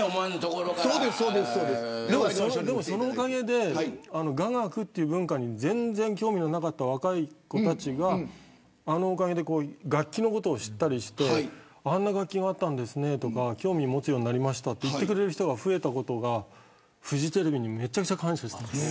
でも、そのおかげで雅楽という文化に全然興味のなかった若い子たちがあのおかげで楽器のことを知ってあんな楽器あったんですねとか興味を持つようになりましたと言ってくれる人が増えたことがフジテレビにめちゃくちゃ感謝しています。